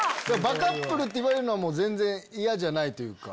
バカップルって言われるのは全然嫌じゃないというか。